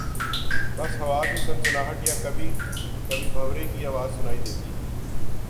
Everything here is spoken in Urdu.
بس ہوا کی سنسناہٹ ہے یا کبھی کبھی بھنورے کی آواز سنائی دیتی ہے